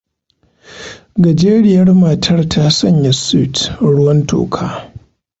Gajeriyar matar ta sanya suit ruwan toka.